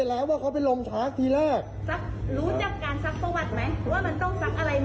แล้วก็อะไรอีกมีนั่งหน้าอกไหม